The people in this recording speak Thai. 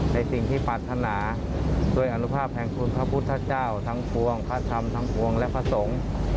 ในสิ่งที่ปรารถนาด้วยอนุภาพแห่งทุนพระพุทธเจ้าทั้งพวงพระธรรมทั้งภวงและพระสงฆ์